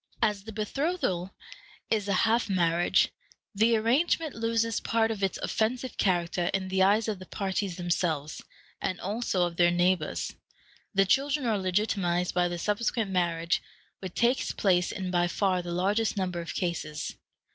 As the betrothal is a half marriage, the arrangement loses part of its offensive character in the eyes of the parties themselves, and also of their neighbors. The children are legitimatized by the subsequent marriage, which takes place in by far the largest number of cases.